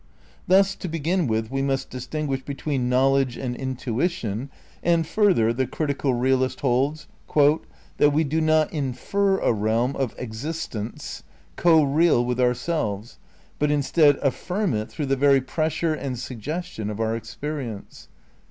Thus, to begin with, we must distinguish between knowledge and intuition, and, further, the critical real ist holds "that we do not infer a realm of existents co real with ourselves but, instead, affirm it through the very pressure and suggestion of our experience."